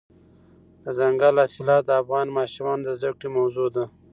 دځنګل حاصلات د افغان ماشومانو د زده کړې موضوع ده.